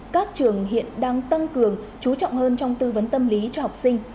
các trường hiện đang tăng cường chú trọng hơn trong tư vấn tâm lý cho học sinh